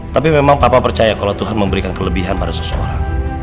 tapi memang papa percaya kalau tuhan memberikan kelebihan pada seseorang